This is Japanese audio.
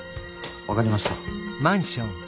分かりました。